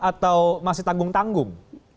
atau masih tanggung tanggung